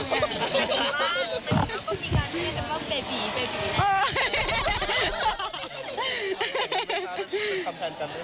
พี่ว่างตอนนี้เขาก็มีการที่เวลาเป็นำปรดเบบหี๋